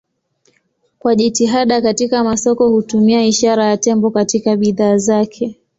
Kwa jitihada katika masoko hutumia ishara ya tembo katika bidhaa zake.